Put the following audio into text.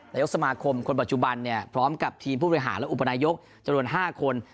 นายกสมาคมคนปัจจุบันเนี่ยพร้อมกับทีมผู้บริหารและอุปนายกจำนวน๕คน